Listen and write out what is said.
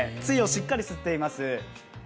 汁をしっかり吸っています。